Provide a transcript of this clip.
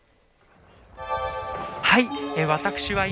はい。